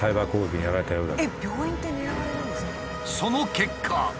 その結果。